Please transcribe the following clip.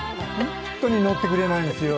本当にのってくれないんですよ。